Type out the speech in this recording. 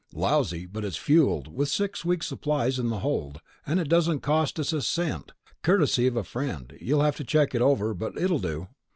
"Lousy ... but it's fueled, with six weeks' supplies in the hold, and it doesn't cost us a cent. Courtesy of a friend. You'll have to check it over, but it'll do."